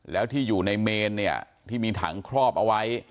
แล้วที่อยู่ในเมนเนี่ยที่มีถังครอบเอาไว้